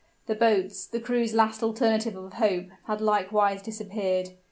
The boats the crew's last alternative of hope had likewise disappeared.